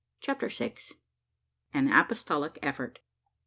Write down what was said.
CHAPTER SIX. AN APOSTOLIC EFFORT.